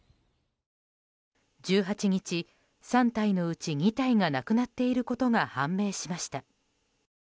１８日、３体のうち２体がなくなっていることが判明しました。